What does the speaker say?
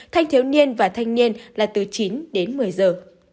thanh thiếu niên và thanh niên là từ chín đến một mươi giờ